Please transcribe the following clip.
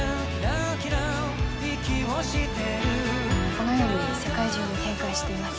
このように世界中に展開しています。